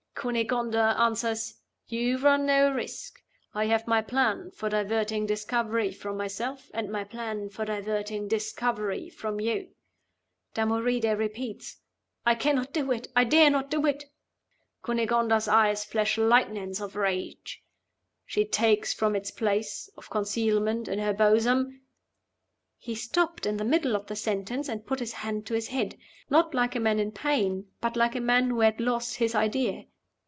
Cunegonda answers, 'You run no risk: I have my plan for diverting discovery from myself, and my plan for diverting discovery from you.' Damoride repeats, 'I cannot do it! I dare not do it!' Cunegonda's eyes flash lightnings of rage. She takes from its place of concealment in her bosom " He stopped in the middle of the sentence, and put his hand to his head not like a man in pain, but like a man who had lost his idea.